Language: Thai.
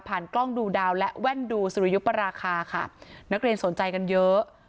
กล้องดูดาวและแว่นดูสุริยุปราคาค่ะนักเรียนสนใจกันเยอะ